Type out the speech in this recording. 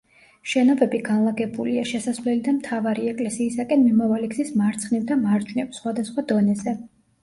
შენობები განლაგებულია, შესასვლელიდან მთავარი ეკლესიისაკენ მიმავალი გზის მარცხნივ და მარჯვნივ სხვადასხვა დონეზე.